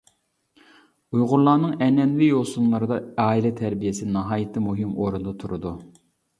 ئۇيغۇرلارنىڭ ئەنئەنىۋى يوسۇنلىرىدا ئائىلە تەربىيەسى ناھايىتى مۇھىم ئورۇندا تۇرىدۇ.